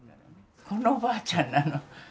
このおばあちゃんなの。